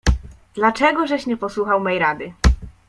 "Dla czegożeś nie posłuchał mej rady."